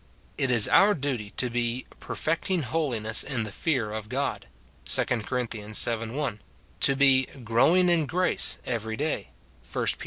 It is our duty to be "perfecting holiness in the fear of God," 2 Cor. vii. 1 ; to be "growing in grace" every day, 1 Pet.